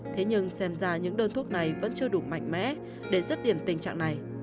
thế nhưng xem ra những đơn thuốc này vẫn chưa đủ mạnh mẽ để dứt điểm tình trạng này